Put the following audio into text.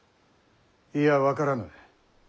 いや分からぬ。